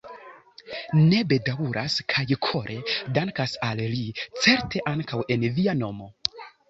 Ni bedaŭras kaj kore dankas al li, certe ankaŭ en via nomo.